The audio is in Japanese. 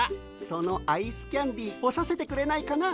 そのアイスキャンデーほさせてくれないかな。